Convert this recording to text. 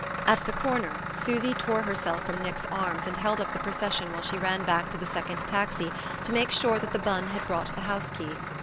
At the corner Susy tore herself from Nick's arms and held up the procession while she ran back to the second taxi to make sure that the bonne had brought the house key.